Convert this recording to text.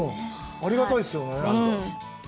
ありがたいですよね。